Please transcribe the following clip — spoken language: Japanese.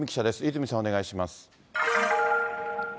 泉さん、お願いします。